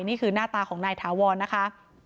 นี่คือหน้าตาของนายถาวรนะคะ